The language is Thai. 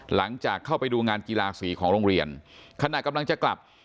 หลังจากเข้าไปดูงานกีฬาสีของโรงเรียนขณะกำลังจะกลับ